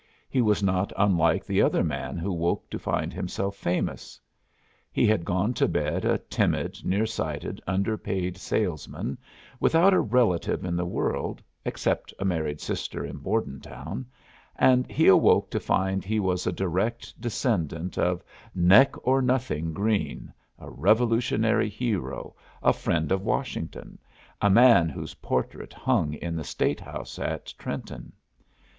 He was not unlike the other man who woke to find himself famous. He had gone to bed a timid, near sighted, underpaid salesman without a relative in the world, except a married sister in Bordentown, and he awoke to find he was a direct descendant of "Neck or Nothing" Greene, a revolutionary hero, a friend of Washington, a man whose portrait hung in the State House at Trenton.